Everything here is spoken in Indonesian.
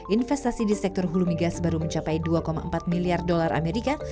investasi di sektor hulu migas baru mencapai dua empat miliar dolar amerika